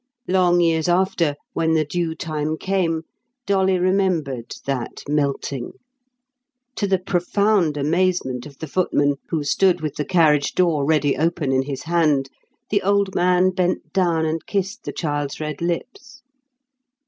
Long years after, when the due time came, Dolly remembered that melting. To the profound amazement of the footman, who stood with the carriage door ready open in his hand, the old man bent down and kissed the child's red lips.